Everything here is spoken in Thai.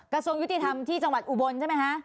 กระทรวงยุติธรรมที่จังหวัดอุบลใช่ไหมคะ